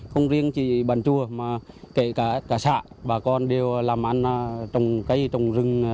không riêng chị bản chùa mà kể cả cả xã bà con đều làm ăn trồng cây trồng rừng